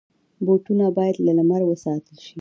بوټونه باید له لمره وساتل شي.